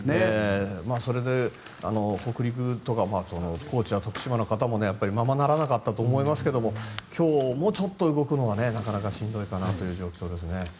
それで北陸とかあとは高知や徳島の方もままならなかったと思いますが今日もちょっと動くのはなかなかしんどいかなという状況ですね。